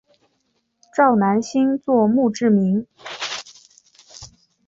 赵南星作墓志铭。